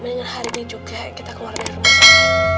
mendingan hari ini juga kita keluar dari rumah